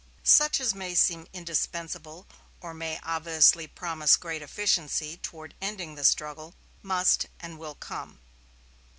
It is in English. Such as may seem indispensable, or may obviously promise great efficiency toward ending the struggle, must and will come."